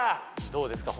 どうですか？